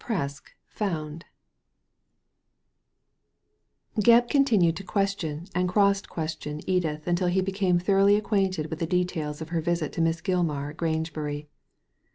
PRESK FOUND Gebb continued to question and cross question Edith until he became thoroughly acquainted with the details of her visit to Miss Gilmar at Grangebury.